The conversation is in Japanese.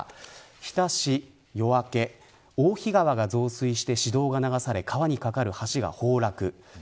日田市夜明大肥川が増水して市道が流され川に架かる橋が崩落。